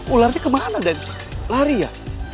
ularnya kemana dan lari ya